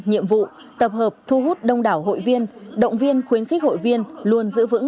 nhiệm vụ tập hợp thu hút đông đảo hội viên động viên khuyến khích hội viên luôn giữ vững